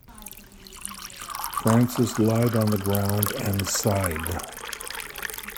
Francis lied on the ground and sighed.